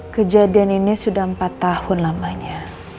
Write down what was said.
kejadian ini sudah empat tahun lamanya